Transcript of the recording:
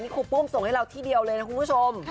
ครูปุ้มส่งให้เราที่เดียวเลยนะคุณผู้ชม